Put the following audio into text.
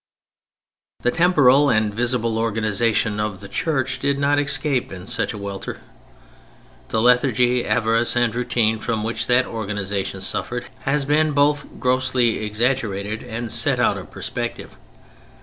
The temporal and visible organization of the Church did not escape in such a welter. The lethargy, avarice, and routine from which that organization suffered, has been both grossly exaggerated and set out of perspective.